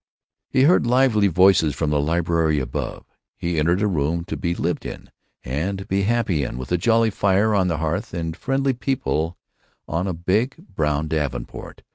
He heard lively voices from the library above. He entered a room to be lived in and be happy in, with a jolly fire on the hearth and friendly people on a big, brown davenport.